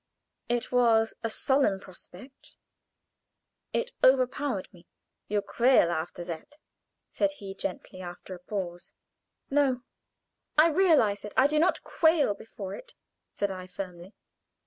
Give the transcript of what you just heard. It was a solemn prospect. It overpowered me. "You quail before that?" said he, gently, after a pause. "No; I realize it. I do not quail before it," said I, firmly.